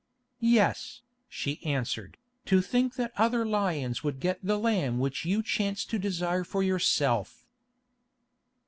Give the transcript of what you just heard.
"Yes," she answered, "to think that other lions would get the lamb which you chance to desire for yourself."